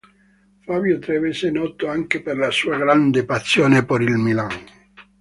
Fabio Treves è noto anche per la sua grande passione per il Milan.